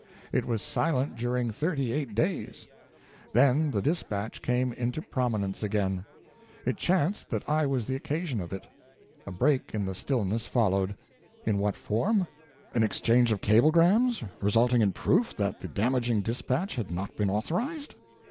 It was silent during thirty eight days. Then the dispatch came into prominence again. It chanced that I was the occasion of it. A break in the. stillness followed. In what form? An exchange of cablegrams, resulting in proof that the damaging dispatch had not been authorized